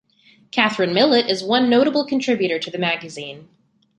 Catherine Millet is one notable contributor to the magazine.